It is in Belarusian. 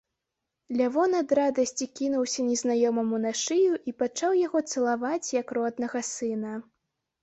Лявон ад радасці кінуўся незнаёмаму на шыю і пачаў яго цалаваць, як роднага сына.